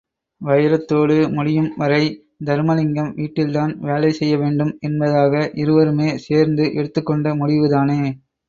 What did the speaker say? வைரத்தோடு முடியும் வரை தருமலிங்கம் வீட்டில்தான் வேலை செய்யவேண்டும் என்பதாக இருவருமே சேர்ந்து எடுத்துக்கொண்ட முடிவுதானே!